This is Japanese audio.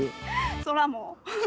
そらもう。